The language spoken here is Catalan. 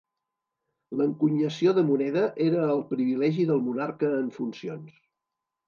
L'encunyació de moneda era el privilegi del monarca en funcions.